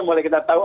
mulai kita tahu